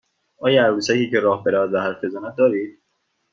آیا عروسکی که راه برود و حرف بزند دارید؟